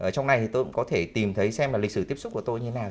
trong này thì tôi cũng có thể tìm thấy xem là lịch sử tiếp xúc của tôi như thế nào